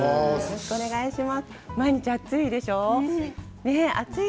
毎日、暑いでしょう。